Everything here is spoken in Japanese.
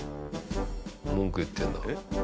文句言ってるんだ。